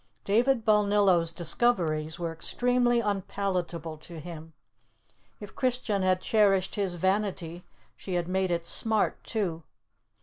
David Balnillo's discoveries were extremely unpalatable to him. If Christian had cherished his vanity, she had made it smart, too.